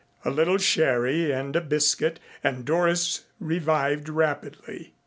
A little sherry and a biscuit and Doris revived rapidly.